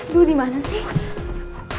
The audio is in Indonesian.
gue dimana sih